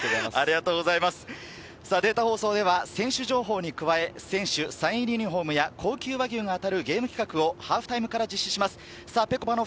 データ放送では選手情報に加え、選手サイン入りユニホームや、高級和牛が当たるゲーム企画をハーフタイムから実施します。